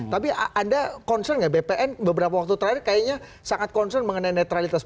tapi anda concern nggak bpn beberapa waktu terakhir kayaknya sangat concern mengenai netralitas